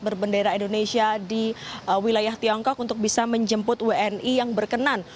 berbendera indonesia di wilayah tiongkok untuk bisa menjemput wni yang berkenan